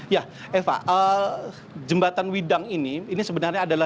ya eva jembatan widang ini ini sebenarnya adalah